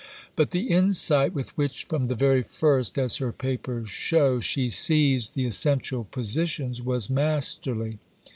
But the insight with which from the very first, as her Papers show, she seized the essential positions was masterly.